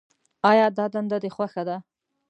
آیا دا دنده دې خوښه ده.